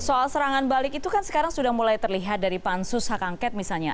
soal serangan balik itu kan sekarang sudah mulai terlihat dari pansus hak angket misalnya